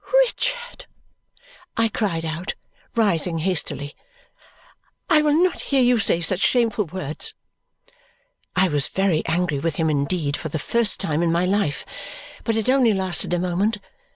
"Richard!" I cried out, rising hastily. "I will not hear you say such shameful words!" I was very angry with him indeed, for the first time in my life, but it only lasted a moment.